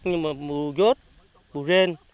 nhưng mà bù giót bù ren